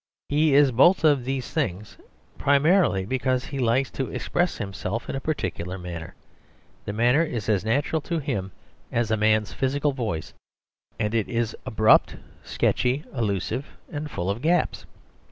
He is both of these things primarily, because he likes to express himself in a particular manner. The manner is as natural to him as a man's physical voice, and it is abrupt, sketchy, allusive, and full of gaps.